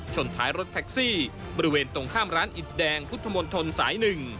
ท้ายรถแท็กซี่บริเวณตรงข้ามร้านอิดแดงพุทธมนตรสาย๑